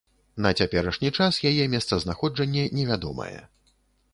На цяперашні час яе месцазнаходжанне не вядомае.